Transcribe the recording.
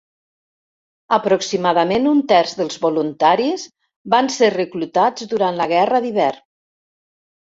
Aproximadament un terç dels voluntaris van ser reclutats durant la Guerra d'Hivern.